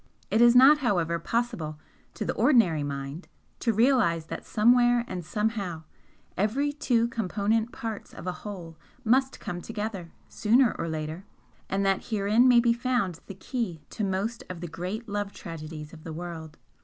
It is not, however, possible to the ordinary mind to realise that somewhere and somehow, every two component parts of a whole MUST come together, sooner or later, and that herein may be found the key to most of the great love tragedies of the world.